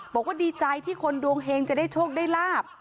บอกว่าดีใจที่คนดวงเฮงจะได้โชคได้ลาบ